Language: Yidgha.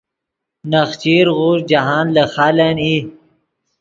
نخچیر غوݰ جاہند لے خالن ای